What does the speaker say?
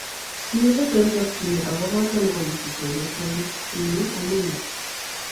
Kiibut eng chokchine akobotan kowisu chepyose nyi Amina,